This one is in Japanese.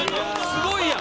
すごいやん！